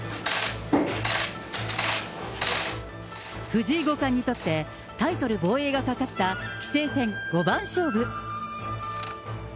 藤井五冠にとって、タイトル防衛がかかった棋聖戦五番勝負。